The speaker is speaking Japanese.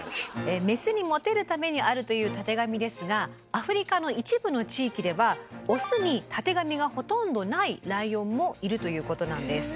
メスにモテるためにあるというたてがみですがアフリカの一部の地域ではオスにたてがみがほとんどないライオンもいるということなんです。